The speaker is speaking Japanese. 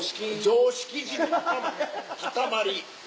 常識人かたまり。